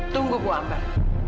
tunggu bu ambar